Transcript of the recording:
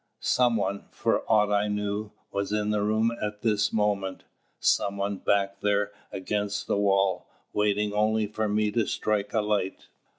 Some one, for aught I knew, was in the room at this moment! Some one, back there against the wall, waiting only for me to strike a light!